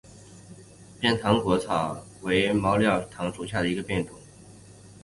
扁果唐松草为毛茛科唐松草属下的一个变种。